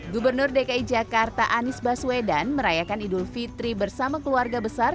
gubernur dki jakarta anies baswedan merayakan idul fitri bersama keluarga besar